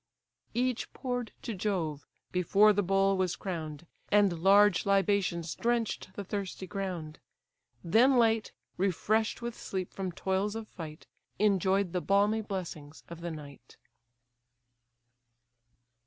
Each pour'd to Jove before the bowl was crown'd; And large libations drench'd the thirsty ground: Then late, refresh'd with sleep from toils of fight, Enjoy'd the balmy blessings of the night.